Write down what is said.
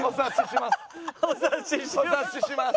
お察しします。